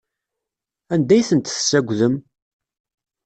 Anda ay tent-tessagdem?